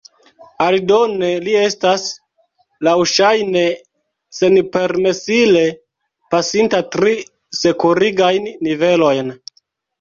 Aldone li estas laŭŝajne senpermesile pasinta tri sekurigajn nivelojn.